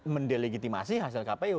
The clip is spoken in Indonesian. mendilegitimasi hasil kpu